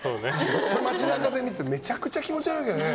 街中で見たらめちゃくちゃ気持ち悪いけどね。